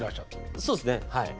そうっすねはい。